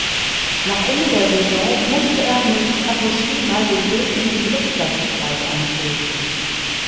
Nach Ende der Saison musste er mit Kagoshima den Weg in die Drittklassigkeit antreten.